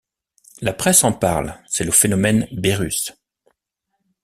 La presse en parle, c’est le phénomène Bérus.